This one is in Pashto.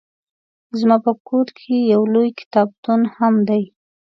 زما په کور کې يو لوی کتابتون هم دی